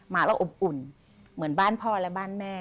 เราอบอุ่นเหมือนบ้านพ่อและบ้านแม่